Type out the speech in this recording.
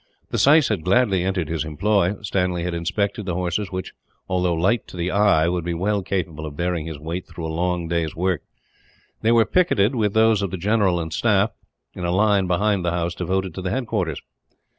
The syce had gladly entered his employ. Stanley had inspected the horses which, although light to the eye, would be well capable of bearing his weight through a long day's work. They were picketed, with those of the general and staff, in a line behind the house devoted to the headquarters.